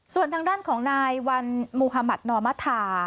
ส่วนทางด้านของนายวันมุธมัธนอมธา